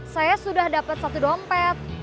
saya sudah dapat satu dompet